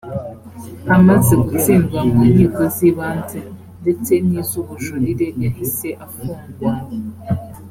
amaze gutsindwa mu nkiko z ibanze ndetse n iz ubujurire yahise afungwa.